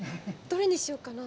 どれにしようかな。